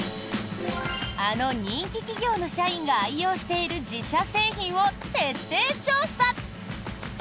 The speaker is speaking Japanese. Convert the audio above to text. あの人気企業の社員が愛用している自社製品を徹底調査！